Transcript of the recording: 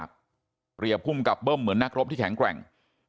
เปรียบภูมิกับเบิ้มเหมือนนักรบที่แข็งแกร่ง